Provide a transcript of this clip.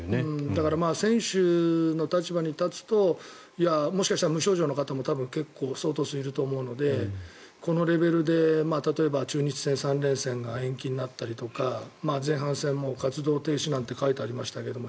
だから選手の立場に立つともしかしたら無症状の方も多分結構、相当数いると思うのでこのレベルで例えば、中日戦３連戦が延期になったりとか前半戦、もう活動停止なんて書いてありましたけど。